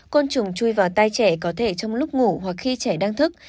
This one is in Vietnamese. côn trùng chui vào tay trẻ có thể trong lúc ngủ hoặc khi trẻ đang thức